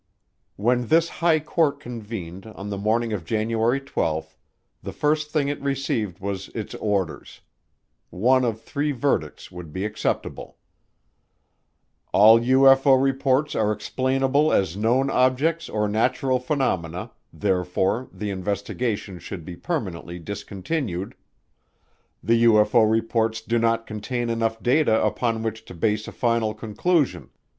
When this high court convened on the morning of January 12, the first thing it received was its orders; one of three verdicts would be acceptable: All UFO reports are explainable as known objects or natural phenomena; therefore the investigation should be permanently discontinued. The UFO reports do not contain enough data upon which to base a final conclusion.